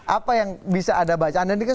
apa yang bisa ada bacaan ini kan